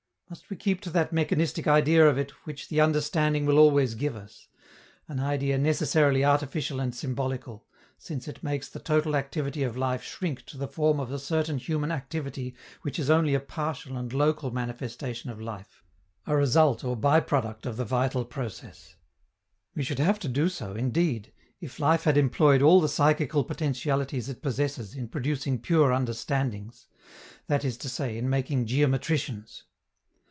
Must we keep to that mechanistic idea of it which the understanding will always give us an idea necessarily artificial and symbolical, since it makes the total activity of life shrink to the form of a certain human activity which is only a partial and local manifestation of life, a result or by product of the vital process? We should have to do so, indeed, if life had employed all the psychical potentialities it possesses in producing pure understandings that is to say, in making geometricians.